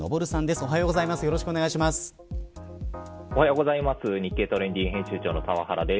おはようございます。